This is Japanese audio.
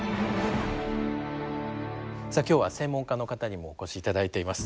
さあ今日は専門家の方にもお越し頂いています。